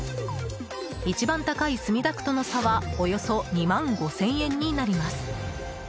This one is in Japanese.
一番高い墨田区との差はおよそ２万５０００円になります。